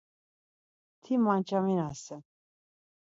Ti maçaminasen.